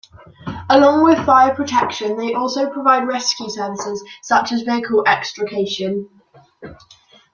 Along with fire protection they also provide rescue services such as vehicle extrication.